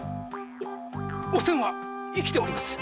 おせんは生きております。